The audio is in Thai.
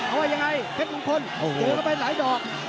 เอาไว้ยังไงเพชรมงคลเหี่ยวเข้าไปหลายดอก